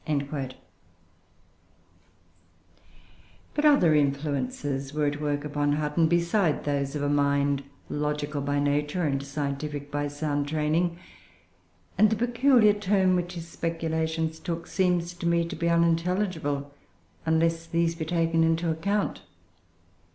" [Footnote 4: Ibid.. p. 371.] But other influences were at work upon Hutton beside those of a mind logical by nature, and scientific by sound training; and the peculiar turn which his speculations took seems to me to be unintelligible, unless these be taken into account.